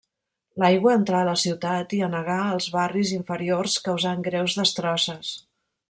L'aigua entrà a la ciutat i anegà els barris inferiors causant greus destrosses.